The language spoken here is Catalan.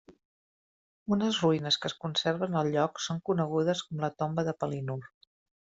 Unes ruïnes que es conserven al lloc són conegudes com la tomba de Palinur.